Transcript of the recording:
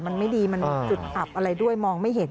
มันไม่ดีมันมีจุดอับอะไรด้วยมองไม่เห็น